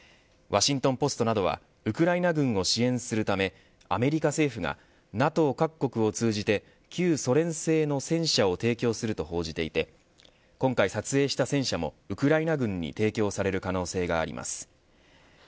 ワシントン・ポストなどはウクライナ軍を支援するためアメリカ政府がＮＡＴＯ各国を通じて旧ソ連製の戦車を提供すると報じていて今回撮影した戦車もウクライナ軍に提供される可能性があります。